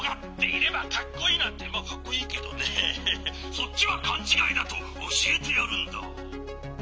そっちはかんちがいだとおしえてやるんだ」。